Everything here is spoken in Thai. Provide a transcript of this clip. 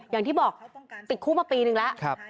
อย่างที่บอกติดคุกมาปีนึงแล้ว